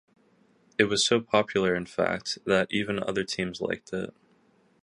It was so popular, in fact, that even other teams liked it.